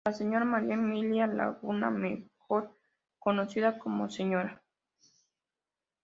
La señora Maria Emilia Laguna, mejor conocida como "Sra.